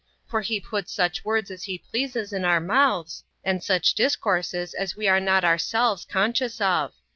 for he puts such words as he pleases in our mouths, and such discourses as we are not ourselves conscious of.